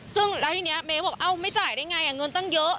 ซึ่งแล้วทีนี้เมย์บอกเอ้าไม่จ่ายได้ไงเงินตั้งเยอะ